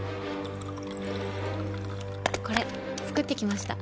これ作ってきました。